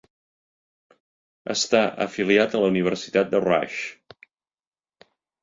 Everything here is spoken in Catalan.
Està afiliat a la Universitat de Rush.